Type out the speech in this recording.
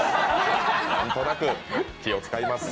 何となく気を使います。